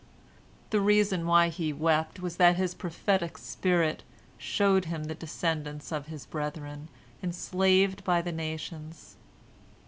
The reason why he wept was that his prophetic spirit showed him the descendants of his brethren enslaved by the nations.